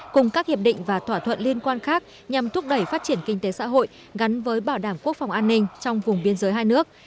cùng các hiệp định và thỏa thuận liên quan khác nhằm thúc đẩy phát triển kinh tế xã hội gắn với bảo đảm quốc phòng an ninh trong vùng biên giới hai nước